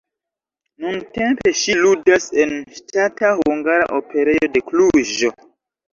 Nuntempe ŝi ludas en Ŝtata Hungara Operejo de Kluĵo.